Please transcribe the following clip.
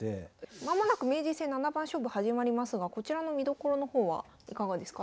間もなく名人戦七番勝負始まりますがこちらの見どころの方はいかがですか？